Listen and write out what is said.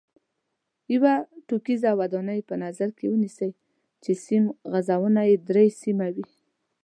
یوه کوټیزه ودانۍ په نظر کې ونیسئ چې سیم غځونه یې درې سیمه وي.